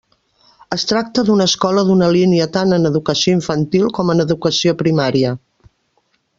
Es tracte d'una escola d'una línia tant en educació infantil com en educació primària.